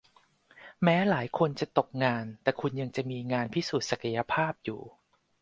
แม้หลายคนจะตกงานแต่คุณยังจะมีงานพิสูจน์ศักยภาพอยู่